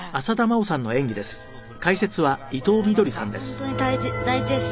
「本当に大事です。